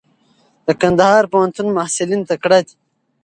د کندهار پوهنتون محصلین تکړه دي.